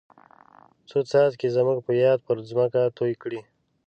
څو څاڅکي زموږ په یاد پر ځمکه توی کړه.